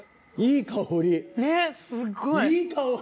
いい香り。